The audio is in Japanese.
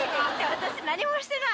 私、何もしてない。